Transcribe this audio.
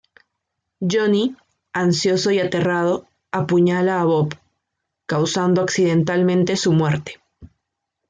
Johnny, ansioso y aterrado, apuñala a Bob, causando accidentalmente su muerte.